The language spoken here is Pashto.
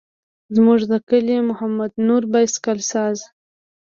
زموږ د کلي محمد نور بایسکل ساز.